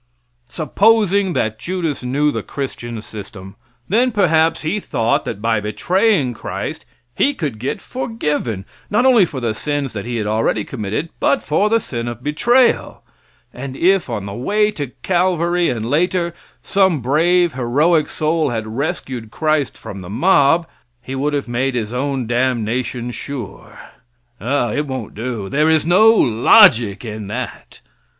Supposing that Judas knew the Christian system, then perhaps he thought that by betraying Christ he could get forgiven, not only for the sins that he had already committed but for the sin of betrayal, and if, on the way to Calvary, and later, some brave, heroic soul had rescued Christ from the mob, he would have made his own damnation sure. It won't do. There is no logic in that.